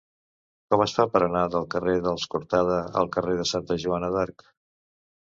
Com es fa per anar del carrer dels Cortada al carrer de Santa Joana d'Arc?